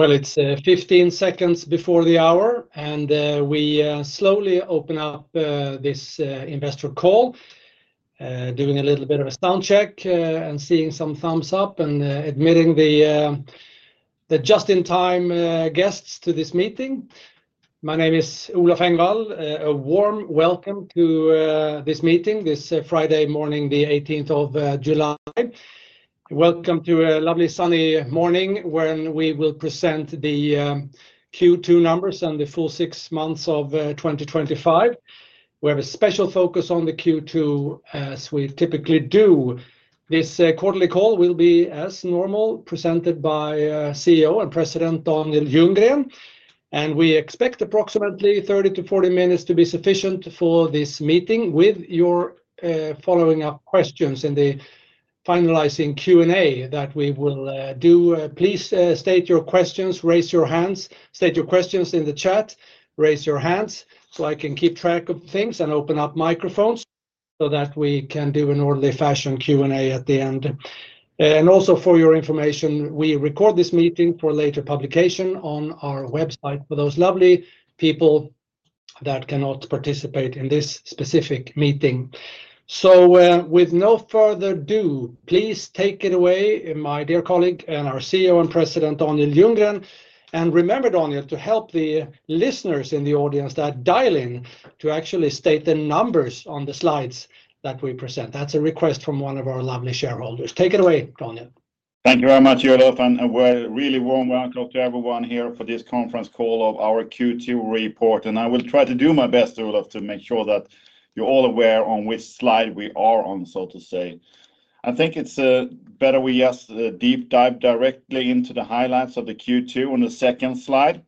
It's 15 seconds before the hour, and we slowly open up this investor call, doing a little bit of a sound check and seeing some thumbs up and admitting the just-in-time guests to this meeting. My name is Olof Engvall. A warm welcome to this meeting, this Friday morning, the 18th of July. Welcome to a lovely sunny morning when we will present the Q2 numbers and the full six months of 2025. We have a special focus on the Q2, as we typically do. This quarterly call will be, as normal, presented by CEO and President, Daniel Ljunggren. We expect approximately 30 to 40 minutes to be sufficient for this meeting with your following-up questions in the finalizing Q&A that we will do. Please state your questions, raise your hands, state your questions in the chat, and raise your hands so I can keep track of things and open up microphones so that we can do an orderly fashion Q&A at the end. Also, for your information, we record this meeting for later publication on our website for those lovely people that cannot participate in this specific meeting. With no further ado, please take it away, my dear colleague and our CEO and President, Daniel Ljunggren. Remember, Daniel, to help the listeners in the audience that dial in to actually state the numbers on the slides that we present. That's a request from one of our lovely shareholders. Take it away, Daniel. Thank you very much, Olof. A really warm welcome to everyone here for this conference call of our Q2 report. I will try to do my best, Olof, to make sure that you're all aware on which slide we are on, so to say. I think it's better we just deep dive directly into the highlights of the Q2 on the second slide.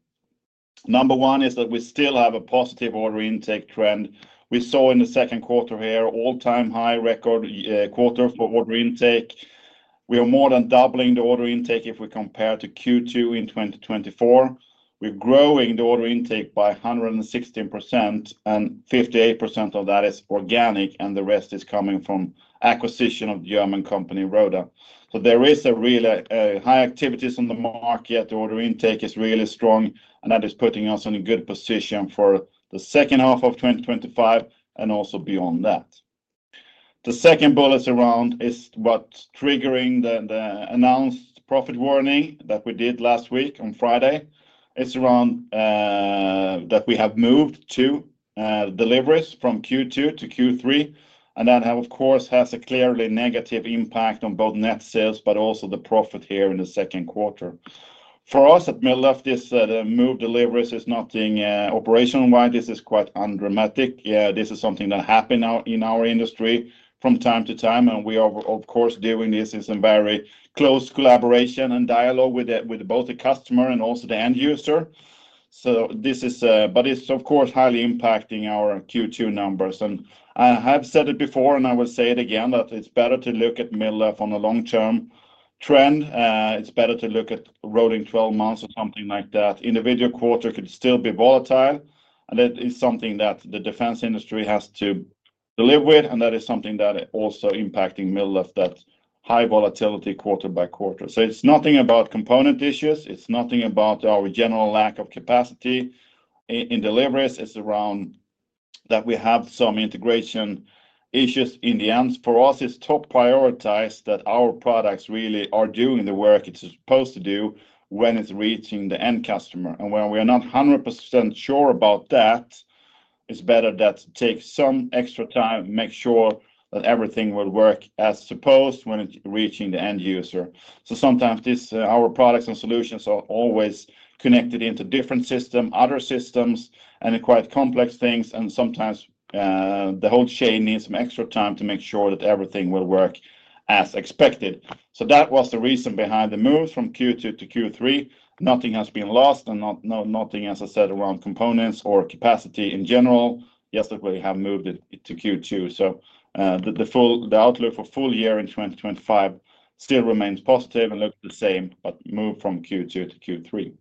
Number one is that we still have a positive order intake trend. We saw in the second quarter here all-time high record quarter for order intake. We are more than doubling the order intake if we compare to Q2 in 2024. We're growing the order intake by 116%, and 58% of that is organic, and the rest is coming from acquisition of the German company, Rohde & Schwarz. There is a really high activities on the market. The order intake is really strong, and that is putting us in a good position for the second half of 2025 and also beyond that. The second bullet around is what's triggering the announced profit warning that we did last week on Friday. It's around that we have moved deliveries from Q2 to Q3, and that has, of course, a clearly negative impact on both net sales but also the profit here in the second quarter. For us at Mildef, the moved deliveries is not being, operational-wise, this is quite undramatic. This is something that happens now in our industry from time to time. We are, of course, doing this in some very close collaboration and dialogue with both the customer and also the end user. This is, of course, highly impacting our Q2 numbers. I have said it before, and I will say it again, that it's better to look at Mildef on a long-term trend. It's better to look at rolling 12 months or something like that. In the video quarter, it could still be volatile, and it is something that the defense industry has to live with, and that is something that is also impacting Mildef, that high volatility quarter by quarter. It's nothing about component issues. It's nothing about our general lack of capacity in deliveries. It's around that we have some integration issues in the end. For us, it's top prioritized that our products really are doing the work it's supposed to do when it's reaching the end customer. While we are not 100% sure about that, it's better that it takes some extra time to make sure that everything will work as supposed when it's reaching the end user. Sometimes our products and solutions are always connected into different systems, other systems, and quite complex things. Sometimes the whole chain needs some extra time to make sure that everything will work as expected. That was the reason behind the move from Q2 to Q3. Nothing has been lost and nothing, as I said, around components or capacity in general. Yes, we have moved it to Q2. The outlook for full year in 2025 still remains positive and looks the same, but moved from Q2 to Q3.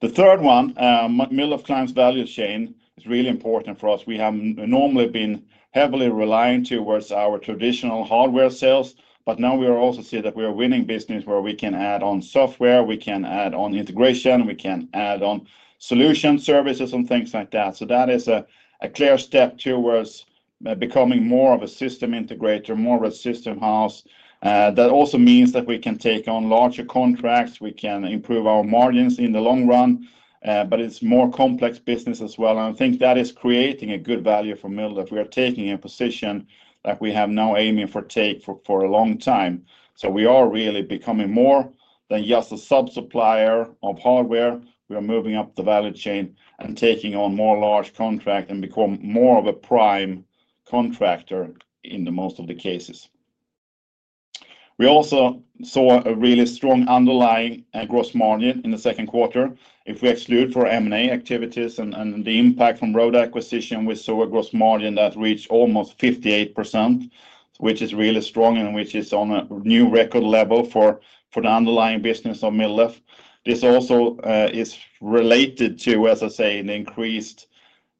The third one, Mildef client's value chain, is really important for us. We have normally been heavily reliant towards our traditional hardware sales, but now we also see that we are winning business where we can add on software, we can add on integration, we can add on solutions, services, and things like that. That is a clear step towards becoming more of a system integrator, more of a system house. That also means that we can take on larger contracts. We can improve our margins in the long run, but it's more complex business as well. I think that is creating a good value for Mildef. We are taking a position that we have now been aiming for for a long time. We are really becoming more than just a subsupplier of hardware. We are moving up the value chain and taking on more large contracts and become more of a prime contractor in most of the cases. We also saw a really strong underlying gross margin in the second quarter. If we exclude for M&A activities and the impact from Rohde & Schwarz acquisition, we saw a gross margin that reached almost 58%, which is really strong and which is on a new record level for the underlying business of Mildef. This also is related to, as I say, the increased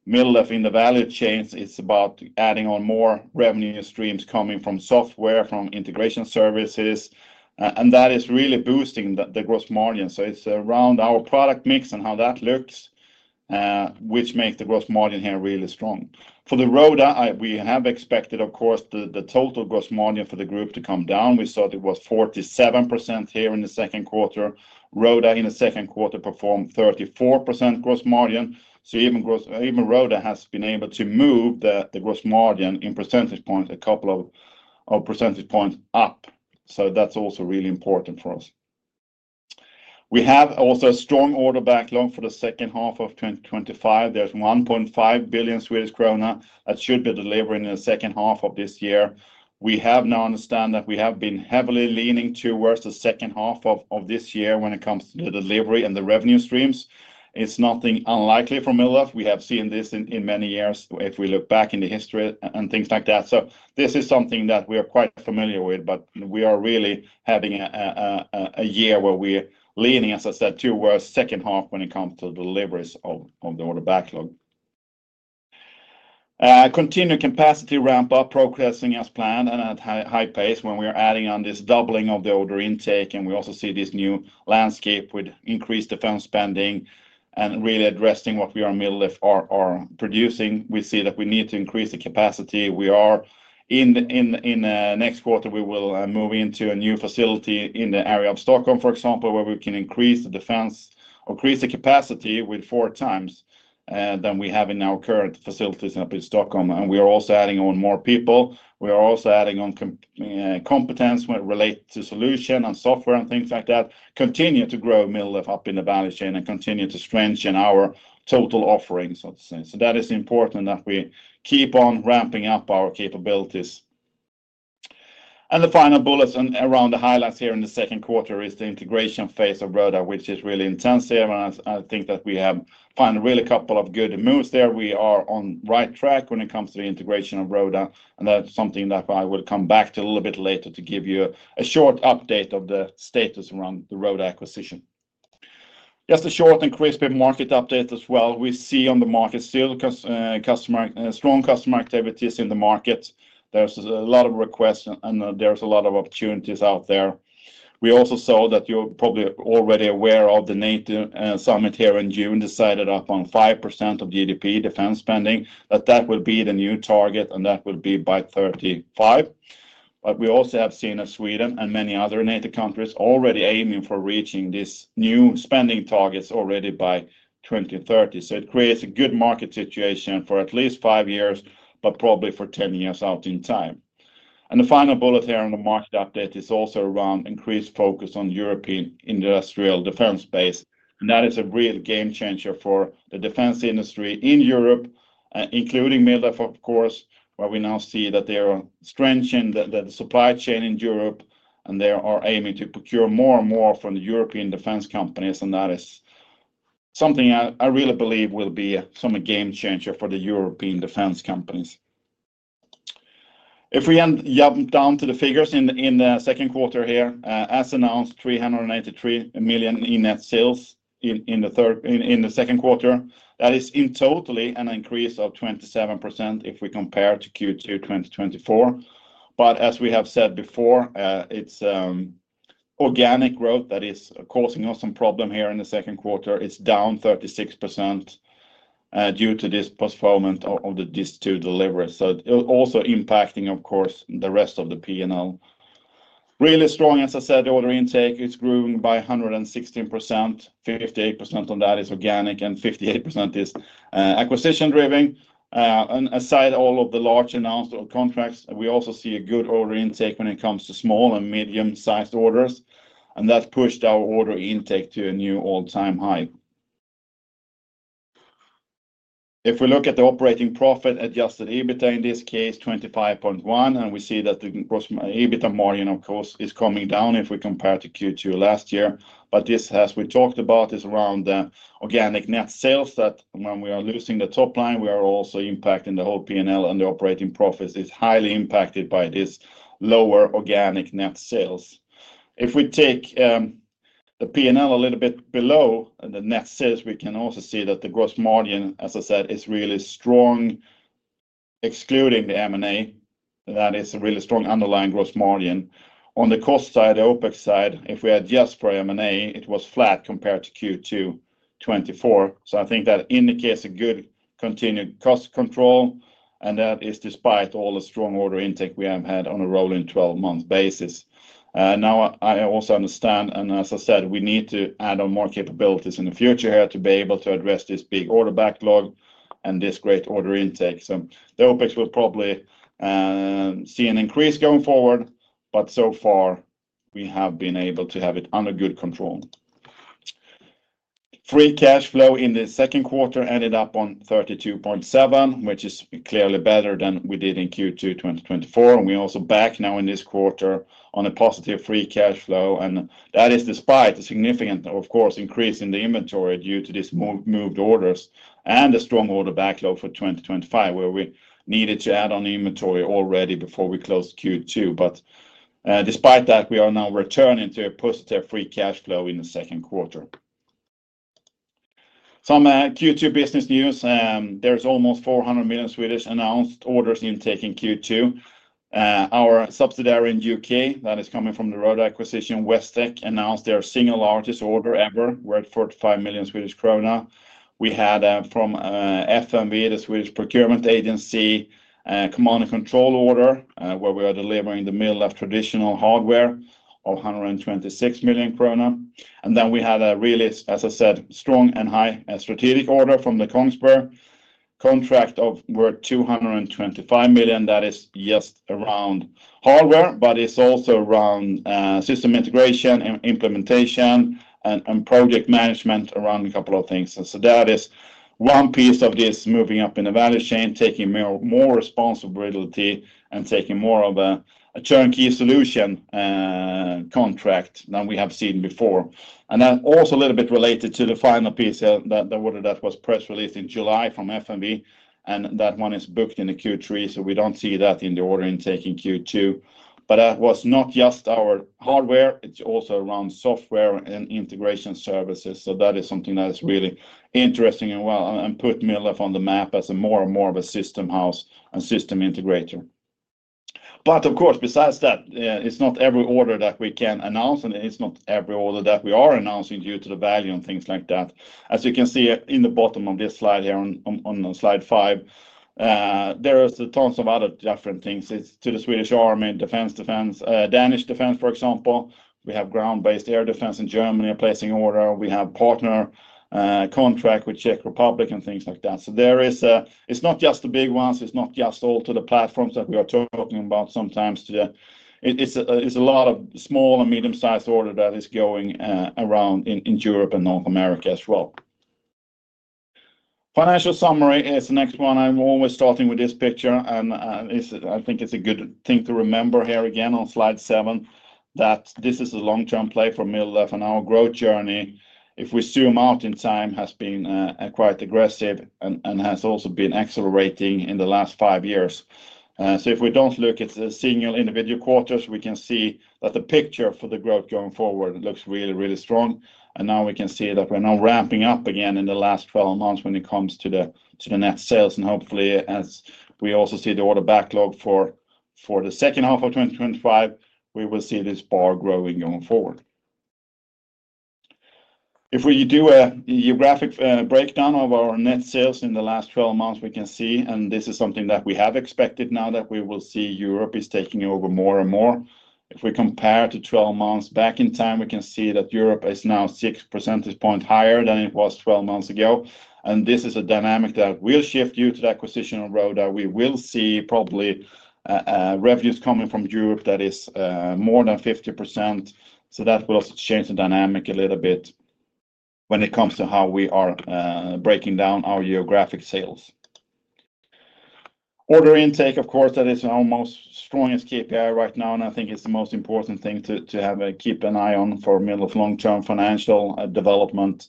Mildef in the value chains. It's about adding on more revenue streams coming from software, from integration services, and that is really boosting the gross margin. It's around our product mix and how that looks, which makes the gross margin here really strong. For the Rohde & Schwarz, we have expected, of course, the total gross margin for the group to come down. We thought it was 47% here in the second quarter. Rohde & Schwarz in the second quarter performed 34% gross margin. Even Rohde & Schwarz has been able to move the gross margin in percentage points, a couple of percentage points up. That's also really important for us. We have also a strong order backlog for the second half of 2025. There's 1.5 billion Swedish krona that should be delivered in the second half of this year. We have now understood that we have been heavily leaning towards the second half of this year when it comes to the delivery and the revenue streams. It's nothing unlikely for Mildef. We have seen this in many years if we look back in the history and things like that. This is something that we are quite familiar with, but we are really having a year where we're leaning, as I said, towards the second half when it comes to deliveries of the order backlog. Continue capacity ramp up, progressing as planned and at high pace when we are adding on this doubling of the order intake. We also see this new landscape with increased defense spending and really addressing what we at Mildef are producing. We see that we need to increase the capacity. In the next quarter, we will move into a new facility in the area of Stockholm, for example, where we can increase the capacity four times compared to what we have in our current facilities up in Stockholm. We are also adding on more people. We are also adding on competence when it relates to solution and software and things like that. Continue to grow Mildef up in the value chain and continue to strengthen our total offering, so to say. That is important that we keep on ramping up our capabilities. The final bullets around the highlights here in the second quarter is the integration phase of Rohde & Schwarz, which is really intensive. I think that we have found really a couple of good moves there. We are on the right track when it comes to the integration of Rohde & Schwarz. That's something that I will come back to a little bit later to give you a short update of the status around the Rohde & Schwarz acquisition. Just a short and crispy market update as well. We see on the market still strong customer activities. There's a lot of requests and there's a lot of opportunities out there. We also saw that you're probably already aware of the NATO summit here in June decided upon 5% of GDP defense spending, that that would be the new target and that would be by 2035. We have also seen that Sweden and many other NATO countries are already aiming for reaching these new spending targets already by 2030. It creates a good market situation for at least five years, but probably for ten years out in time. The final bullet here on the market update is also around increased focus on European industrial defense space. That is a real game changer for the defense industry in Europe, including Mildef, of course, where we now see that they are strengthening the supply chain in Europe, and they are aiming to procure more and more from the European defense companies. That is something I really believe will be a game changer for the European defense companies. If we jump down to the figures in the second quarter here, as announced, 383 million in net sales in the second quarter. That is in total an increase of 27% if we compare to Q2 2024. As we have said before, it's organic growth that is causing us some problem here in the second quarter. It's down 36% due to this postponement of these two deliveries. It's also impacting, of course, the rest of the P&L. Really strong, as I said, the order intake has grown by 116%. 58% of that is organic and 58% is acquisition-driven. Aside from all of the large announced contracts, we also see a good order intake when it comes to small and medium-sized orders. That pushed our order intake to a new all-time high. If we look at the operating profit, adjusted EBITDA in this case, 25.1 million, and we see that the EBITDA margin, of course, is coming down if we compare to Q2 last year. This, as we talked about, is around the organic net sales that when we are losing the top line, we are also impacting the whole P&L, and the operating profit is highly impacted by this lower organic net sales. If we take the P&L a little bit below the net sales, we can also see that the gross margin, as I said, is really strong, excluding the M&A. That is a really strong underlying gross margin. On the cost side, the OpEx side, if we adjust for M&A, it was flat compared to Q2 2024. I think that indicates a good continued cost control, and that is despite all the strong order intake we have had on a rolling 12-month basis. I also understand, as I said, we need to add on more capabilities in the future here to be able to address this big order backlog and this great order intake. The OpEx will probably see an increase going forward, but so far, we have been able to have it under good control. Free cash flow in the second quarter ended up at 32.7 million, which is clearly better than we did in Q2 2024. We are also back now in this quarter on a positive free cash flow, and that is despite a significant, of course, increase in the inventory due to these moved orders and the strong order backlog for 2025, where we needed to add on the inventory already before we closed Q2. Despite that, we are now returning to a positive free cash flow in the second quarter. Some Q2 business news. There's almost 400 million announced orders intake in Q2. Our subsidiary in the UK that is coming from the Rohde & Schwarz acquisition, West Tech, announced their single largest order ever, worth 45 million Swedish krona. We had, from FMV, the Swedish procurement agency, a command and control order, where we are delivering the middle of traditional hardware of 126 million krona. We had a really, as I said, strong and high strategic order from the Kongsberg contract worth 225 million. That is just around hardware, but it's also around system integration and implementation and project management around a couple of things. That is one piece of this moving up in the value chain, taking more responsibility and taking more of a turnkey solution contract than we have seen before. It's also a little bit related to the final piece that was press released in July from FMV, and that one is booked in Q3. We don't see that in the order intake in Q2. That was not just our hardware. It's also around software and integration services. That is something that is really interesting and will put Mildef on the map as more and more of a system house and system integrator. Of course, besides that, it's not every order that we can announce, and it's not every order that we are announcing due to the value and things like that. As you can see in the bottom of this slide here, on slide five, there are tons of other different things to the Swedish army, defense, Danish defense, for example. We have ground-based air defense in Germany placing order. We have partner contract with Czech Republic and things like that. It's not just the big ones. It's not just all to the platforms that we are talking about sometimes. It's a lot of small and medium-sized order that is going around in Europe and North America as well. Financial summary is the next one. I'm always starting with this picture, and I think it's a good thing to remember here again on slide seven that this is a long-term play for Mildef and our growth journey. If we zoom out in time, it has been quite aggressive and has also been accelerating in the last five years. If we don't look at the single individual quarters, we can see that the picture for the growth going forward looks really, really strong. We can see that we're now ramping up again in the last 12 months when it comes to the net sales. Hopefully, as we also see the order backlog for the second half of 2025, we will see this bar growing going forward. If we do a geographic breakdown of our net sales in the last 12 months, we can see, and this is something that we have expected now, that we will see Europe is taking over more and more. If we compare to 12 months back in time, we can see that Europe is now 6 percentage points higher than it was 12 months ago. This is a dynamic that will shift due to the acquisition of Rohde & Schwarz. We will see probably revenues coming from Europe that is more than 50%. That will change the dynamic a little bit when it comes to how we are breaking down our geographic sales. Order intake, of course, that is our most strongest KPI right now, and I think it's the most important thing to keep an eye on for Mildef's long-term financial development.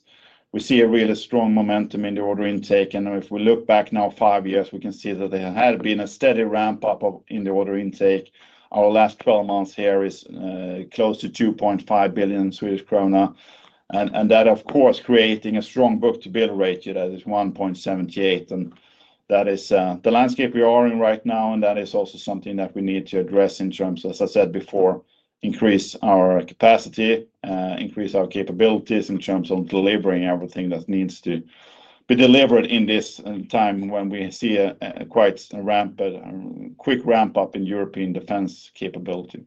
We see a really strong momentum in the order intake. If we look back now five years, we can see that there had been a steady ramp up in the order intake. Our last 12 months here is close to 2.5 billion Swedish krona. That, of course, creating a strong book-to-bill ratio that is 1.78. That is the landscape we are in right now, and that is also something that we need to address in terms of, as I said before, increase our capacity, increase our capabilities in terms of delivering everything that needs to be delivered in this time when we see quite a rampant and quick ramp up in European defense capability.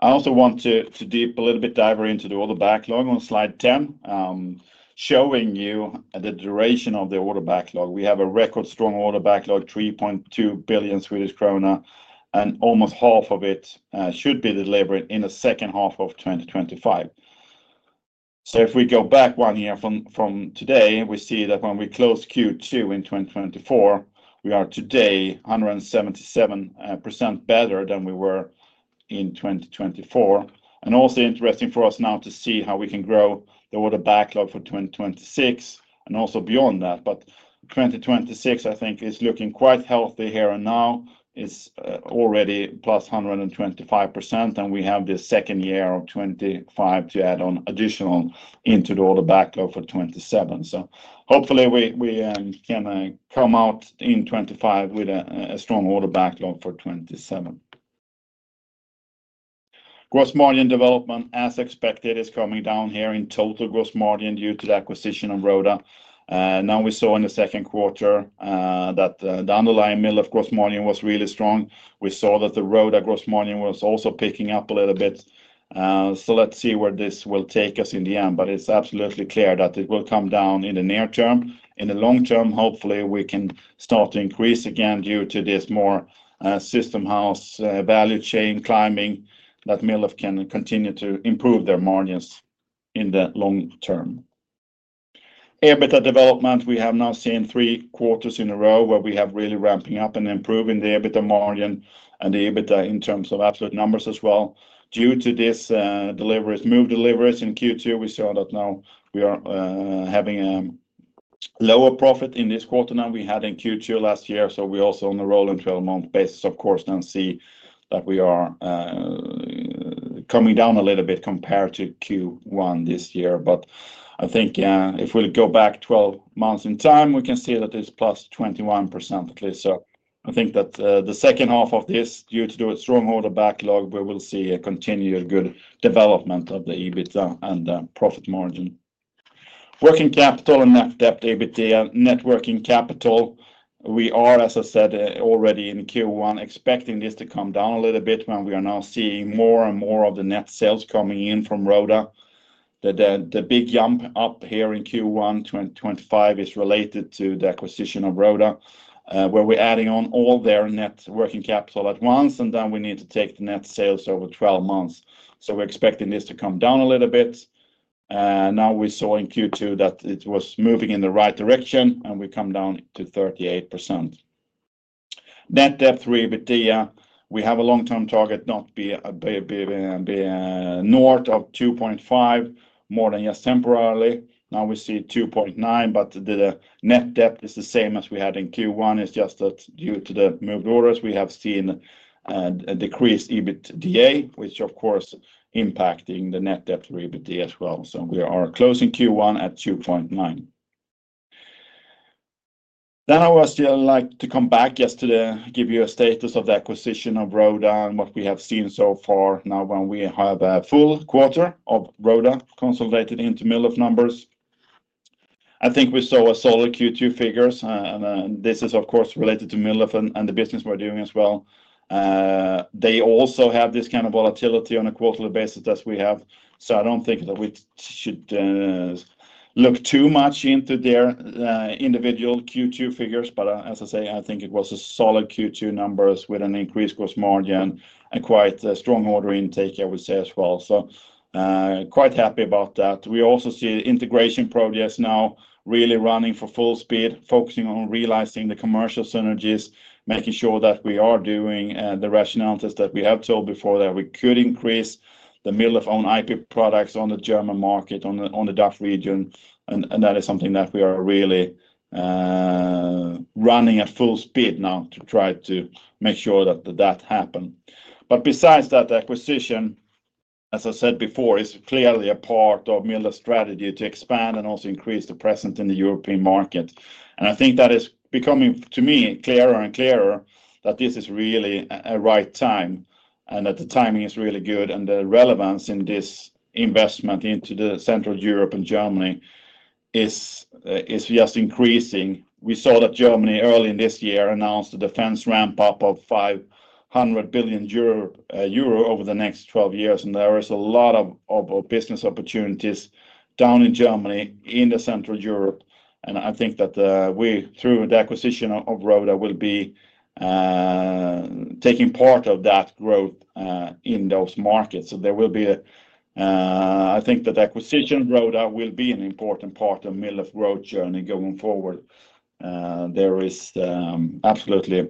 I also want to dig a little bit deeper into the order backlog on slide 10, showing you the duration of the order backlog. We have a record strong order backlog, 3.2 billion Swedish krona, and almost half of it should be delivered in the second half of 2025. If we go back one year from today, we see that when we closed Q2 in 2024, we are today 177% better than we were in 2024. It is also interesting for us now to see how we can grow the order backlog for 2026 and also beyond that. 2026, I think, is looking quite healthy here and now. It's already +125%, and we have the second year of 2025 to add on additional into the order backlog for 2027. Hopefully, we can come out in 2025 with a strong order backlog for 2027. Gross margin development, as expected, is coming down here in total gross margin due to the acquisition of Rohde & Schwarz. Now we saw in the second quarter that the underlying Mildef gross margin was really strong. We saw that the Rohde & Schwarz gross margin was also picking up a little bit. Let's see where this will take us in the end. It is absolutely clear that it will come down in the near term. In the long term, hopefully, we can start to increase again due to this more system house, value chain climbing that Mildef can continue to improve their margins in the long term. EBITDA development, we have now seen three quarters in a row where we have really ramping up and improving the EBITDA margin and the EBITDA in terms of absolute numbers as well. Due to these deliveries, moved deliveries in Q2, we saw that now we are having a lower profit in this quarter than we had in Q2 last year. We also on a rolling 12-month basis, of course, now see that we are coming down a little bit compared to Q1 this year. I think if we go back 12 months in time, we can see that it's +21% at least. I think that the second half of this, due to the strong order backlog, we will see a continued good development of the EBITDA and the profit margin. Working capital and net debt EBITDA networking capital, we are, as I said, already in Q1 expecting this to come down a little bit when we are now seeing more and more of the net sales coming in from Rohde & Schwarz. The big jump up here in Q1 2025 is related to the acquisition of Rohde & Schwarz, where we're adding on all their net working capital at once, and then we need to take the net sales over 12 months. We're expecting this to come down a little bit. Now we saw in Q2 that it was moving in the right direction, and we come down to 38%. Net debt to EBITDA, we have a long-term target not to be a bit north of 2.5, more than just temporarily. Now we see 2.9, but the net debt is the same as we had in Q1. It's just that due to the moved orders, we have seen a decreased EBITDA, which, of course, is impacting the net debt to EBITDA as well. We are closing Q1 at 2.9. I would still like to come back just to give you a status of the acquisition of Rohde & Schwarz and what we have seen so far. Now when we have a full quarter of Rohde & Schwarz consolidated into Mildef numbers, I think we saw solid Q2 figures, and this is, of course, related to Mildef and the business we're doing as well. They also have this kind of volatility on a quarterly basis as we have. I don't think that we should look too much into their individual Q2 figures. As I say, I think it was solid Q2 numbers with an increased gross margin and quite a strong order intake, I would say, as well. Quite happy about that. We also see integration projects now really running at full speed, focusing on realizing the commercial synergies, making sure that we are doing the rationalities that we have told before that we could increase the Mildef owned IP products on the German market, on the DACH region. That is something that we are really running at full speed now to try to make sure that happens. Besides that, the acquisition, as I said before, is clearly a part of Mildef's strategy to expand and also increase the presence in the European market. I think that is becoming, to me, clearer and clearer that this is really the right time and that the timing is really good and the relevance in this investment into Central Europe and Germany is just increasing. We saw that Germany early in this year announced a defense ramp up of 500 billion euro over the next 12 years, and there is a lot of business opportunities down in Germany, in Central Europe. I think that we, through the acquisition of Rohde & Schwarz, will be taking part of that growth in those markets. The acquisition of Rohde & Schwarz will be an important part of Mildef's growth journey going forward. There is absolutely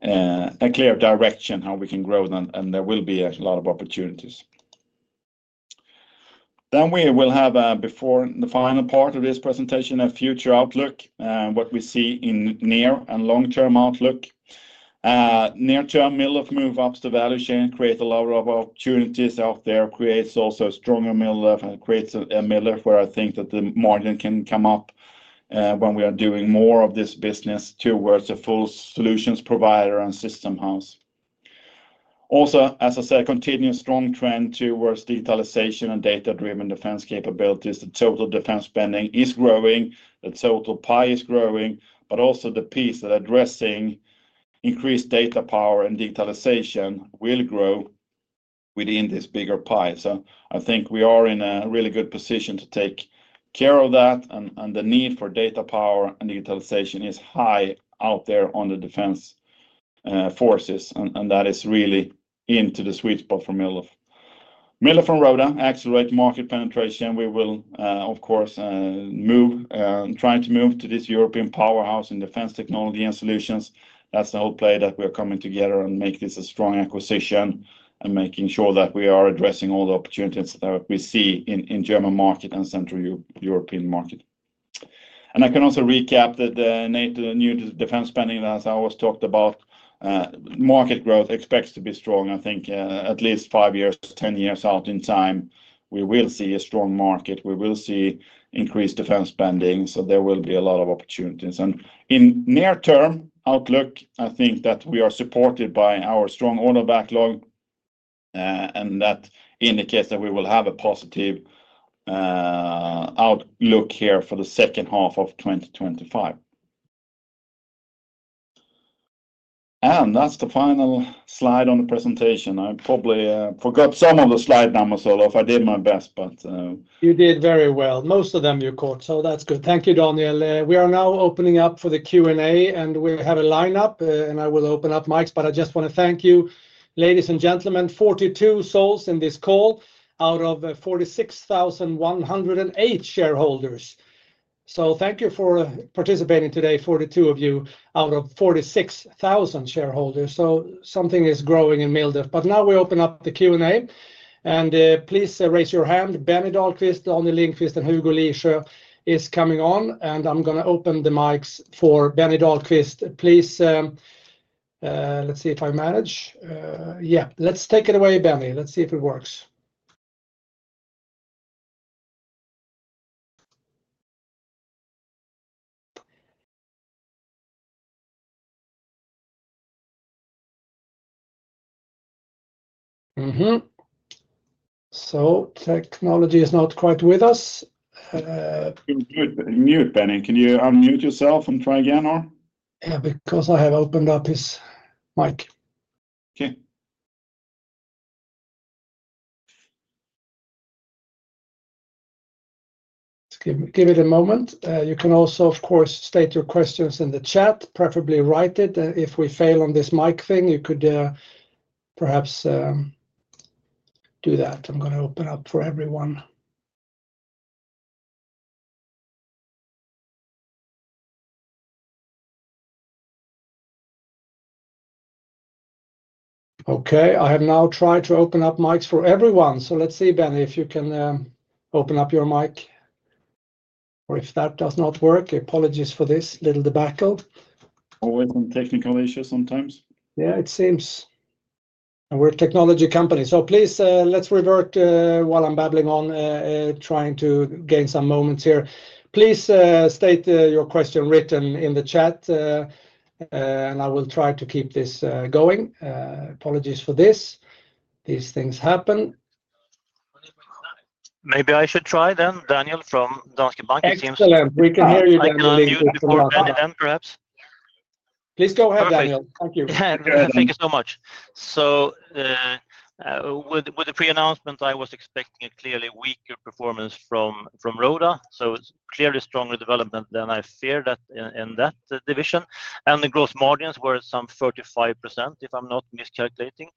a clear direction how we can grow, and there will be a lot of opportunities. Before the final part of this presentation, a future outlook, what we see in near and long-term outlook. Near-term, Mildef moves up the value chain, creates a lot of opportunities out there, creates also a stronger Mildef and creates a Mildef where I think that the margin can come up when we are doing more of this business towards a full solutions provider and system house. Also, as I said, continued strong trend towards digitalization and data-driven defense capabilities. The total defense spending is growing, the total pie is growing, but also the piece that addressing increased data power and digitalization will grow within this bigger pie. I think we are in a really good position to take care of that, and the need for data power and digitalization is high out there on the defense forces, and that is really into the sweet spot for Mildef. Mildef and Rohde & Schwarz accelerate market penetration. We will, of course, try to move to this European powerhouse in defense technology and solutions. That's the whole play that we're coming together and make this a strong acquisition and making sure that we are addressing all the opportunities that we see in the German market and Central European market. I can also recap that the new defense spending, as I was talked about, market growth expects to be strong. I think at least five years to ten years out in time, we will see a strong market. We will see increased defense spending. There will be a lot of opportunities. In the near-term outlook, I think that we are supported by our strong order backlog and that indicates that we will have a positive outlook here for the second half of 2025. That's the final slide on the presentation. I probably forgot some of the slide numbers, Olof. I did my best, but. You did very well. Most of them you caught. That's good. Thank you, Daniel. We are now opening up for the Q&A, and we have a lineup, and I will open up mics. I just want to thank you, ladies and gentlemen, 42 souls in this call out of 46,108 shareholders. Thank you for participating today, 42 of you out of 46,000 shareholders. Something is growing in Mildef. Now we open up the Q&A, and please raise your hand. Benny Dahlqvist, Daniel Lindqvist, and Hugo Lisjö are coming on, and I'm going to open the mics for Benny Dahlqvist. Please, let's see if I manage. Yeah, let's take it away, Benny. Let's see if it works. Technology is not quite with us. Can you mute Benny? Can you unmute yourself and try again? Because I have opened up his mic. Okay. Give it a moment. You can also, of course, state your questions in the chat. Preferably write it. If we fail on this mic thing, you could perhaps do that. I'm going to open up for everyone. Okay, I have now tried to open up mics for everyone. Let's see, Benny, if you can open up your mic. If that does not work, apologies for this little debacle. Always on technical issues sometimes. Yeah, it seems. We're a technology company. Please, let's revert while I'm trying to gain some moments here. Please state your question written in the chat, and I will try to keep this going. Apologies for this. These things happen. Maybe I should try then, Daniel, from Danske Bank. Excellent. We can hear you, Daniel. Then perhaps. Please go ahead, Daniel. Thank you. Thank you so much. With the pre-announcement, I was expecting a clearly weaker performance from Rohde & Schwarz. Clearly, there was stronger development than I feared in that division. The gross margins were some 35%, if I'm not miscalculating.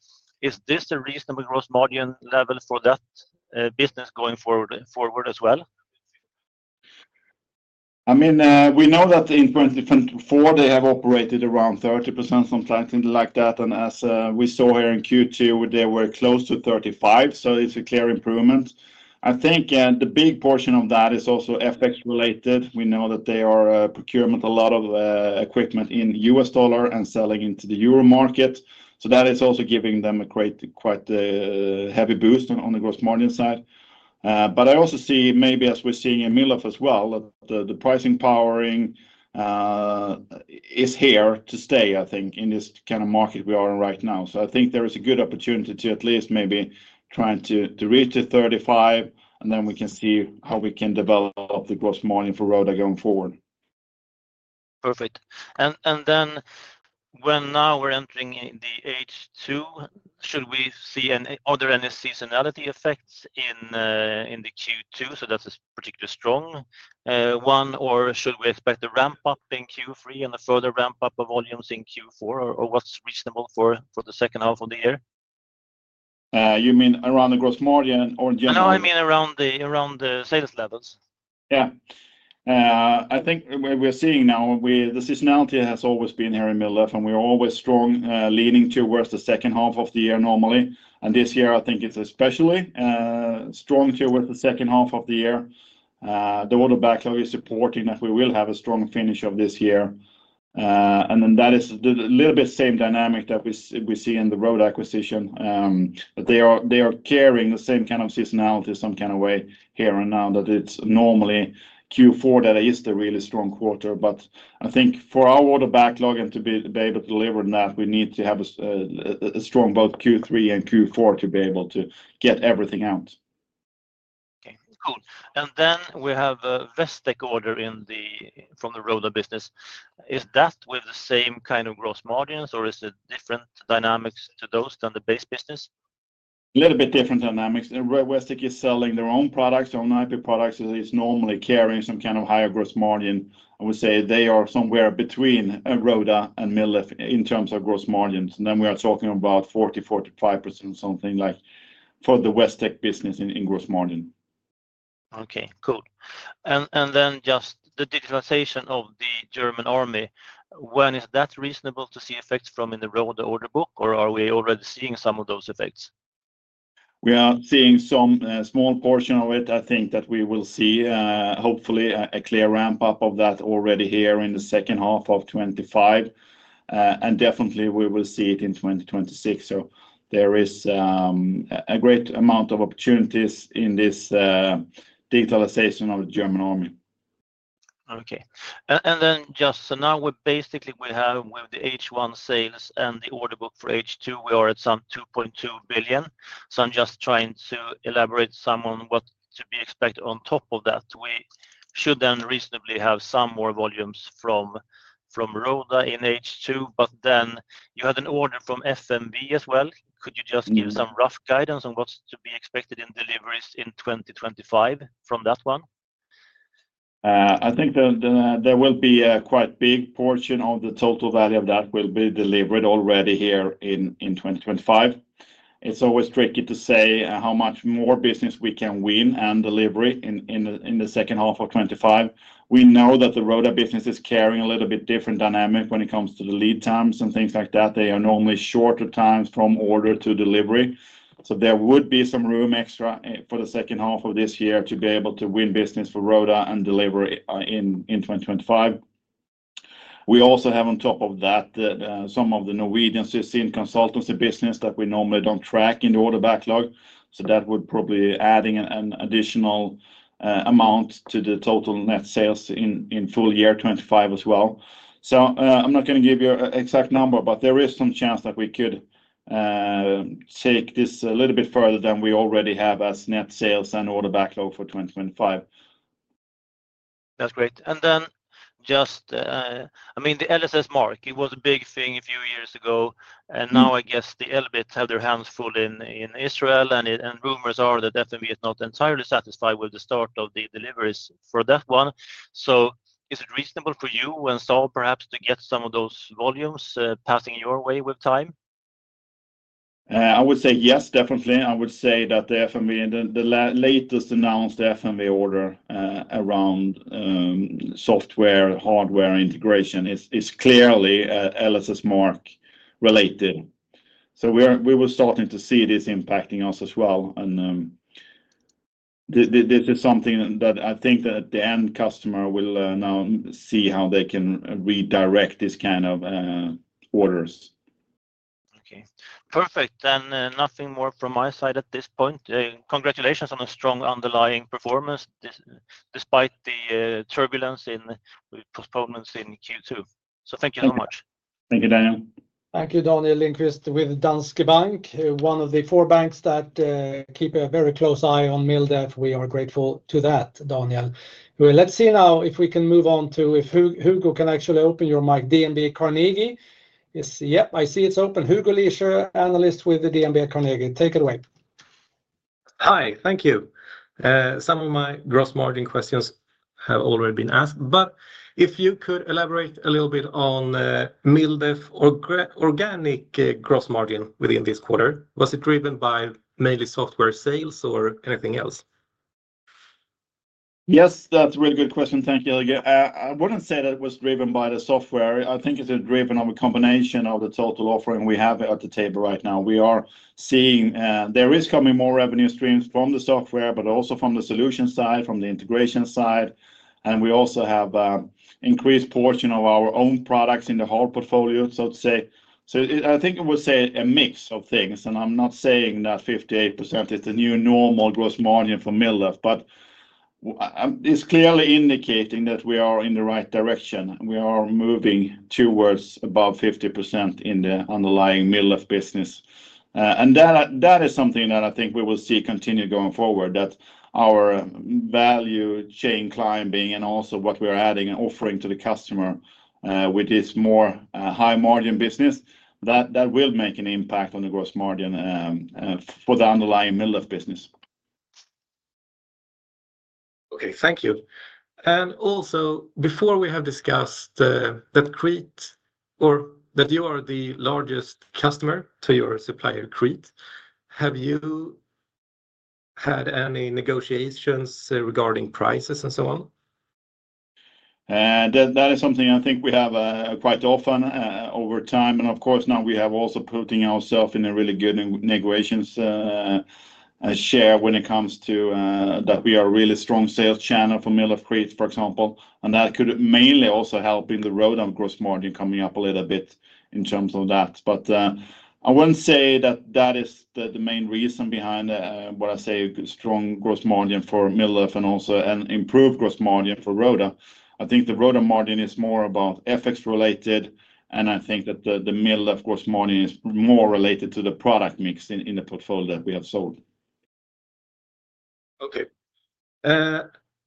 Is this a reasonable gross margin level for that business going forward as well? I mean, we know that in 2024, they have operated around 30%, something like that. As we saw here in Q2, they were close to 35%. It's a clear improvement. I think the big portion of that is also FX-related. We know that they are procuring a lot of equipment in the U.S. dollar and selling into the euro market. That is also giving them a quite heavy boost on the gross margin side. I also see, maybe as we're seeing in Mildef as well, that the pricing power is here to stay, I think, in this kind of market we are in right now. I think there is a good opportunity to at least maybe try to reach to 35%, and then we can see how we can develop the gross margin for Rohde & Schwarz going forward. Perfect. Now we're entering the H2, should we see other seasonality effects in the Q2? That's a particularly strong one. Should we expect a ramp up in Q3 and a further ramp up of volumes in Q4? What's reasonable for the second half of the year? You mean around the gross margin or in general? No, I mean around the sales levels. Yeah. I think we're seeing now, the seasonality has always been here in Mildef, and we're always strong leaning towards the second half of the year normally. This year, I think it's especially strong towards the second half of the year. The order backlog is supporting that we will have a strong finish of this year. That is a little bit the same dynamic that we see in the Rohde & Schwarz acquisition. They are carrying the same kind of seasonality in some kind of way here and now, that it's normally Q4 that is the really strong quarter. I think for our order backlog and to be able to deliver on that, we need to have a strong both Q3 and Q4 to be able to get everything out. Okay. Cool. We have a West Tech order from the Rohde & Schwarz business. Is that with the same kind of gross margins, or is it different dynamics to those than the base business? A little bit different dynamics. West Tech is selling their own products. Their own IP products are normally carrying some kind of higher gross margin. I would say they are somewhere between Rohde & Schwarz and Mildef in terms of gross margins. We are talking about 40%-45% or something like that for the West Tech business in gross margin. Okay. Cool. And then just the digitalization of the German army. When is that reasonable to see effects from in the Rohde & Schwarz order book, or are we already seeing some of those effects? We are seeing some small portion of it. I think that we will see, hopefully, a clear ramp up of that already here in the second half of 2025. We will definitely see it in 2026. There is a great amount of opportunities in this digitalization of the German army. Okay. Just so now we basically have with the H1 sales and the order book for H2, we are at some 2.2 billion. I'm just trying to elaborate some on what to be expected on top of that. We should then reasonably have some more volumes from Rohde & Schwarz in H2. You had an order from FMV as well. Could you just give some rough guidance on what's to be expected in deliveries in 2025 from that one? I think that there will be a quite big portion of the total value of that will be delivered already here in 2025. It's always tricky to say how much more business we can win and deliver in the second half of 2025. We know that the Rohde & Schwarz business is carrying a little bit different dynamic when it comes to the lead times and things like that. They are normally shorter times from order to delivery. There would be some room extra for the second half of this year to be able to win business for Rohde & Schwarz and deliver in 2025. We also have on top of that some of the Norwegian Sysin consultancy business that we normally don't track in the order backlog. That would probably be adding an additional amount to the total net sales in full year 2025 as well. I'm not going to give you an exact number, but there is some chance that we could take this a little bit further than we already have as net sales and order backlog for 2025. That's great. The LSS mark, it was a big thing a few years ago. I guess the Elbit have their hands full in Israel, and rumors are that FMV is not entirely satisfied with the start of the deliveries for that one. Is it reasonable for you and Saul perhaps to get some of those volumes passing your way with time? I would say yes, definitely. I would say that the FMV, the latest announced FMV order around software hardware integration, is clearly LSS mark related. We were starting to see this impacting us as well. This is something that I think the end customer will now see, how they can redirect this kind of orders. Okay. Perfect. Nothing more from my side at this point. Congratulations on a strong underlying performance despite the turbulence in postponements in Q2. Thank you so much. Thank you, Daniel. Thank you, Daniel Lindqvist with Danske Bank, one of the four banks that keep a very close eye on Mildef. We are grateful to that, Daniel. Let's see now if we can move on to if Hugo can actually open your mic. DNB Carnegie is. Yeah, I see it's open. Hugo Lisjö, analyst with DNB Carnegie. Take it away. Hi. Thank you. Some of my gross margin questions have already been asked, but if you could elaborate a little bit on Mildef's organic gross margin within this quarter, was it driven by mainly software sales or anything else? Yes, that's a really good question. Thank you. I wouldn't say that it was driven by the software. I think it's driven of a combination of the total offering we have at the table right now. We are seeing there is coming more revenue streams from the software, but also from the solution side, from the integration side. We also have an increased portion of our own products in the whole portfolio, so to say. I think it was a mix of things. I'm not saying that 58% is the new normal gross margin for Mildef, but it's clearly indicating that we are in the right direction. We are moving towards above 50% in the underlying Mildef business. That is something that I think we will see continue going forward, that our value chain climbing and also what we are adding and offering to the customer with this more high margin business, that that will make an impact on the gross margin for the underlying Mildef business. Thank you. Before, we have discussed that Crete, or that you are the largest customer to your supplier, Crete. Have you had any negotiations regarding prices and so on? That is something I think we have quite often over time. Of course, now we have also put ourselves in a really good negotiation share when it comes to that we are a really strong sales channel for Mildef Group, for example. That could mainly also help in the Rohde & Schwarz gross margin coming up a little bit in terms of that. I wouldn't say that that is the main reason behind what I say a strong gross margin for Mildef and also an improved gross margin for Rohde & Schwarz. I think the Rohde & Schwarz margin is more about FX related, and I think that the Mildef gross margin is more related to the product mix in the portfolio that we have sold. Okay.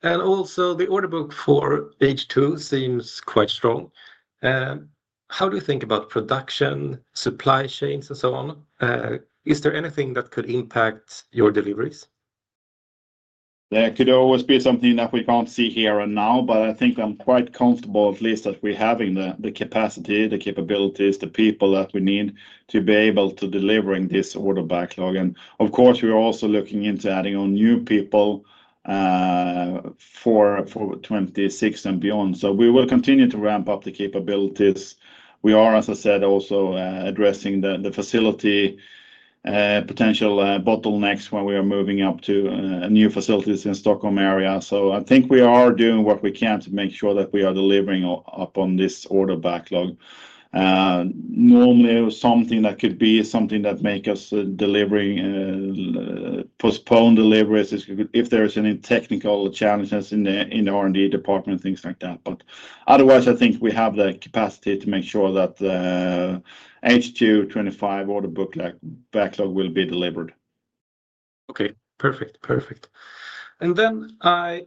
Also, the order book for H2 seems quite strong. How do you think about production, supply chains, and so on? Is there anything that could impact your deliveries? That could always be something that we can't see here and now, but I think I'm quite comfortable at least that we're having the capacity, the capabilities, the people that we need to be able to deliver this order backlog. Of course, we are also looking into adding on new people for 2026 and beyond. We will continue to ramp up the capabilities. We are, as I said, also addressing the facility potential bottlenecks when we are moving up to new facilities in the Stockholm area. I think we are doing what we can to make sure that we are delivering up on this order backlog. Normally, something that could be something that makes us delivering postponed deliveries if there's any technical challenges in the R&D department, things like that. Otherwise, I think we have the capacity to make sure that the H2 2025 order book backlog will be delivered. Okay. Perfect. Perfect. I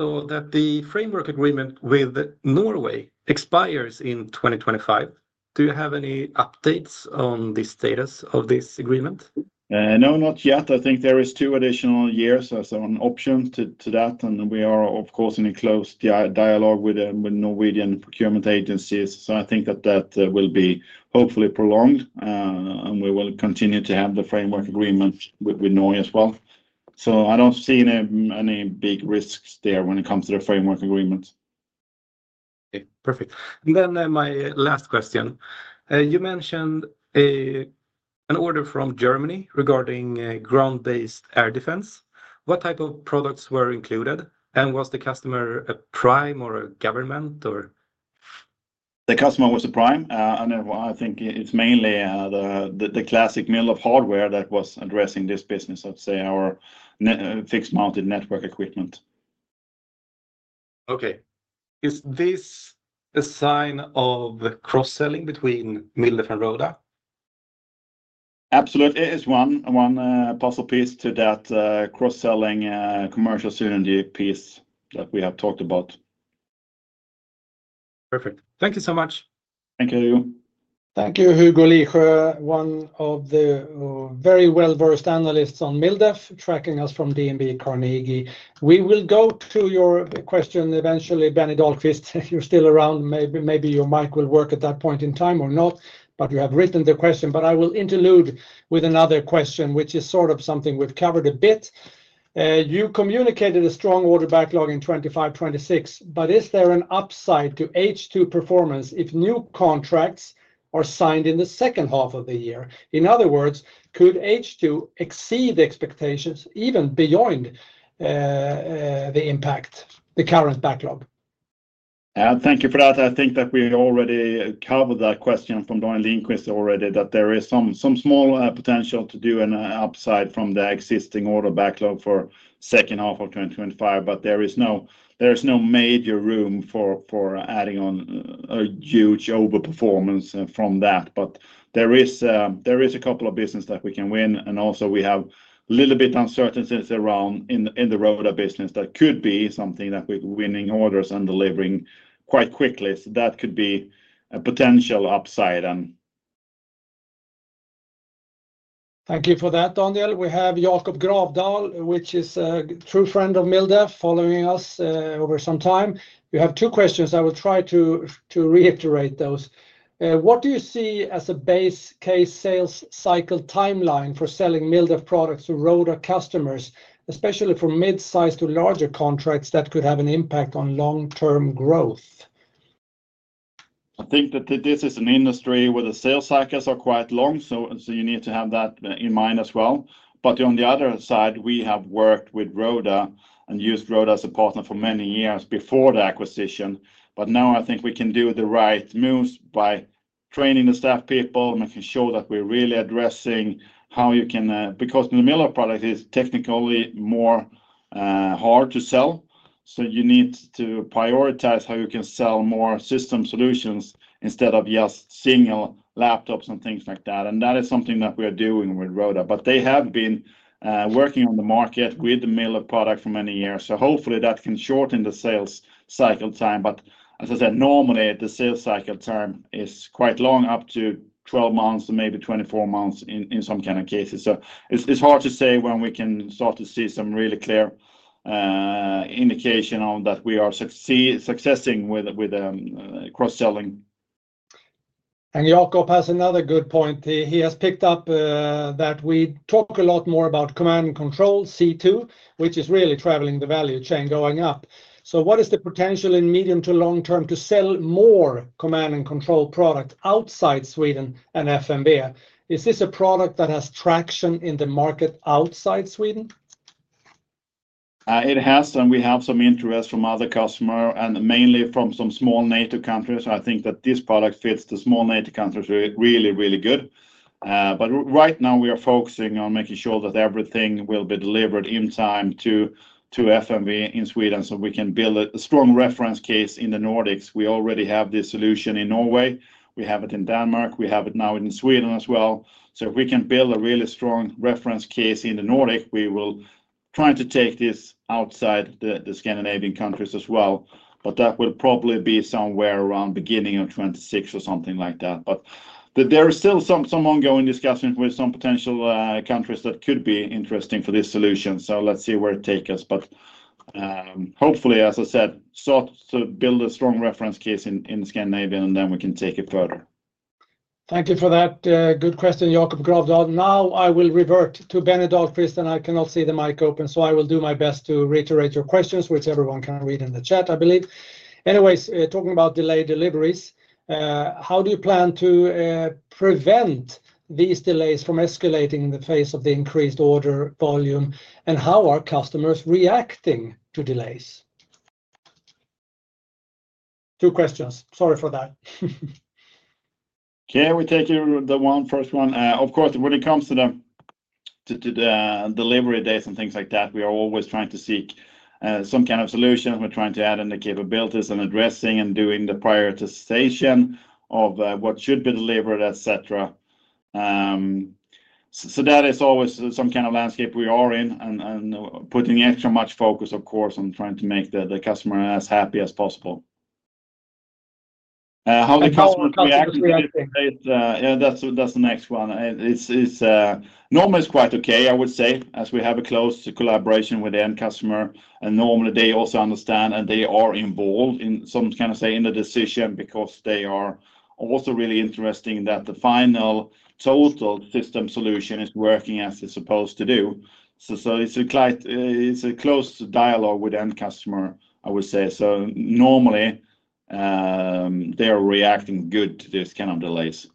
saw that the framework agreement with Norway expires in 2025. Do you have any updates on the status of this agreement? No, not yet. I think there are two additional years as an option to that. We are, of course, in a closed dialogue with Norwegian procurement agencies. I think that will be hopefully prolonged, and we will continue to have the framework agreement with Norway as well. I don't see any big risks there when it comes to the framework agreement. Okay. Perfect. My last question, you mentioned an order from Germany regarding ground-based air defense. What type of products were included, and was the customer a prime or a government? The customer was a prime. I think it's mainly the classic Mildef hardware that was addressing this business, let's say, or fixed mounted network equipment. Okay. Is this a sign of cross-selling between Mildef and Rohde & Schwarz? Absolutely. It is one puzzle piece to that cross-selling commercial synergy piece that we have talked about. Perfect. Thank you so much. Thank you. Thank you, Hugo Lisjö one of the very well-versed analysts on Mildef, tracking us from DNB Carnegie. We will go through your question eventually, Benny Dahlqvist, if you're still around. Maybe your mic will work at that point in time or not, but you have written the question. I will interlude with another question, which is sort of something we've covered a bit. You communicated a strong order backlog in 2025-2026, but is there an upside to H2 performance if new contracts are signed in the second half of the year? In other words, could H2 exceed expectations even beyond the impact, the current backlog? Yeah, thank you for that. I think that we already covered that question from Daniel Lindqvist already, that there is some small potential to do an upside from the existing order backlog for the second half of 2025. There is no major room for adding on a huge overperformance from that. There is a couple of businesses that we can win. Also, we have a little bit of uncertainty around in the Rohde & Schwarz business that could be something that we're winning orders and delivering quite quickly. That could be a potential upside. Thank you for that, Daniel. We have Jakob Gravdahl, which is a true friend of Mildef, following us over some time. We have two questions. I will try to reiterate those. What do you see as a base case sales cycle timeline for selling Mildef products to Rohde & Schwarz customers, especially for mid-size to larger contracts that could have an impact on long-term growth? I think that this is an industry where the sales cycles are quite long, so you need to have that in mind as well. On the other side, we have worked with Rohde & Schwarz and used Rohde & Schwarz as a partner for many years before the acquisition. Now I think we can do the right moves by training the staff people and making sure that we're really addressing how you can, because the Mildef product is technically more hard to sell. You need to prioritize how you can sell more system solutions instead of just single laptops and things like that. That is something that we are doing with Rohde & Schwarz. They have been working on the market with the Mildef product for many years. Hopefully, that can shorten the sales cycle time. As I said, normally, the sales cycle time is quite long, up to 12 months or maybe 24 months in some kind of cases. It's hard to say when we can start to see some really clear indication on that we are successing with cross-selling. Jakob has another good point. He has picked up that we talk a lot more about command and control C2, which is really traveling the value chain going up. What is the potential in medium to long term to sell more command and control products outside Sweden and FMB? Is this a product that has traction in the market outside Sweden? It has, and we have some interest from other customers and mainly from some small NATO countries. I think that this product fits the small NATO countries really, really good. Right now, we are focusing on making sure that everything will be delivered in time to FMV in Sweden so we can build a strong reference case in the Nordics. We already have this solution in Norway, we have it in Denmark, and we have it now in Sweden as well. If we can build a really strong reference case in the Nordics, we will try to take this outside the Scandinavian countries as well. That will probably be somewhere around the beginning of 2026 or something like that. There are still some ongoing discussions with some potential countries that could be interesting for this solution. Let's see where it takes us. Hopefully, as I said, we start to build a strong reference case in Scandinavia, and then we can take it further. Thank you for that good question, Jakob Gravdahl. Now I will revert to Benny Dahlqvist, and I cannot see the mic open. I will do my best to reiterate your questions, which everyone can read in the chat, I believe. Anyways, talking about delayed deliveries, how do you plan to prevent these delays from escalating in the face of the increased order volume? How are customers reacting to delays? Two questions. Sorry for that. Okay. We take you the one first one. Of course, when it comes to the delivery dates and things like that, we are always trying to seek some kind of solutions. We're trying to add in the capabilities and addressing and doing the prioritization of what should be delivered, etc. That is always some kind of landscape we are in and putting extra much focus, of course, on trying to make the customer as happy as possible. How the customers react to it, that's the next one. It's normally quite okay, I would say, as we have a close collaboration with the end customer. Normally, they also understand and they are involved in some kind of say in the decision because they are also really interested in that the final total system solution is working as it's supposed to do. It's a close dialogue with the end customer, I would say. Normally, they're reacting good to this kind of delays.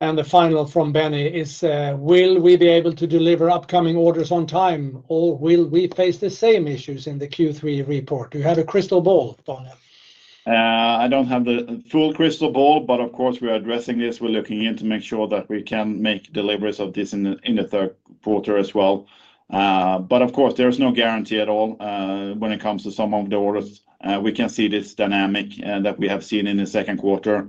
The final from Benny is, will we be able to deliver upcoming orders on time, or will we face the same issues in the Q3 report? Do you have a crystal ball, Daniel? I don't have the full crystal ball, but of course, we are addressing this. We're looking in to make sure that we can make deliveries of this in the third quarter as well. Of course, there's no guarantee at all when it comes to some of the orders. We can see this dynamic that we have seen in the second quarter.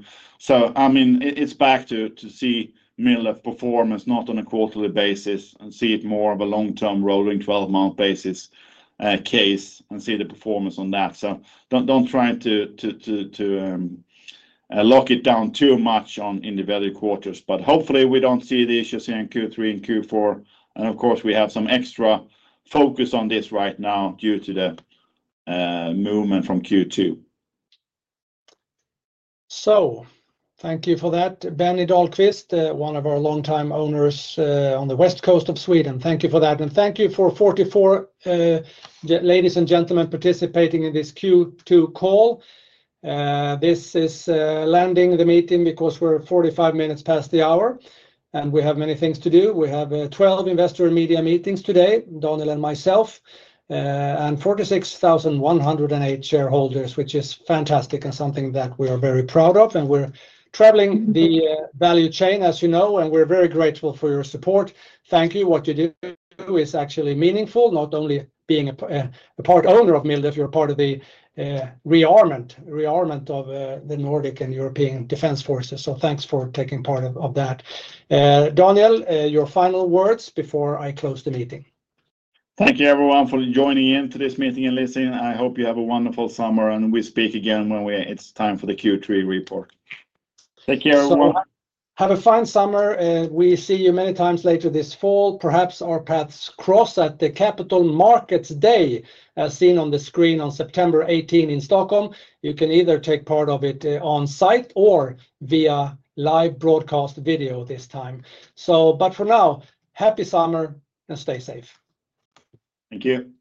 I mean, it's back to see Mildef's performance not on a quarterly basis and see it more of a long-term rolling 12-month basis case and see the performance on that. Don't try to lock it down too much on individual quarters. Hopefully, we don't see the issues here in Q3 and Q4. Of course, we have some extra focus on this right now due to the movement from Q2. Thank you for that, Benny Dahlqvist, one of our long-time owners on the west coast of Sweden. Thank you for that. Thank you for 44, ladies and gentlemen, participating in this Q2 call. This is landing the meeting because we're 45 minutes past the hour, and we have many things to do. We have 12 investor and media meetings today, Dannie and myself, and 46,108 shareholders, which is fantastic and something that we are very proud of. We're traveling the value chain, as you know, and we're very grateful for your support. Thank you. What you do is actually meaningful, not only being a part owner of Mildef Group, you're part of the rearmament of the Nordic and European defense forces. Thanks for taking part of that. Dannie, your final words before I close the meeting. Thank you, everyone, for joining in to this meeting and listening. I hope you have a wonderful summer and we speak again when it's time for the Q3 report. Take care, everyone. Have a fine summer. We see you many times later this fall. Perhaps our paths cross at the Capital Markets Day, as seen on the screen on September 18 in Stockholm. You can either take part of it on site or via live broadcast video this time. For now, happy summer and stay safe. Thank you.